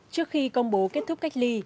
trước khi công bố kết thúc cách ly